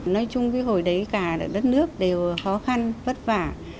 nói chung cái hồi đấy cả đất nước đều khó khăn vất vả